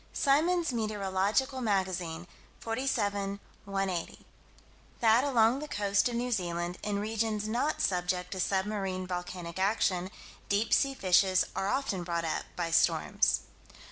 Symons' Meteorological Magazine, 47 180: That, along the coast of New Zealand, in regions not subject to submarine volcanic action, deep sea fishes are often brought up by storms.